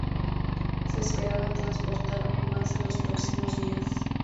Se esperaba transportar más en los próximos días.